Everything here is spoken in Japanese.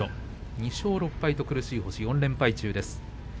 ２勝６敗と苦しい星連敗中です。